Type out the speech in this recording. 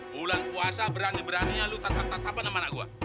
bulan puasa berani beraninya lu tatap tatapan sama anak gua